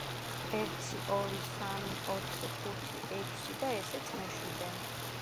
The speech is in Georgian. ერთი, ორი, სამი, ოთხი, ხუთი, ექვსი და ესეც მეშვიდე.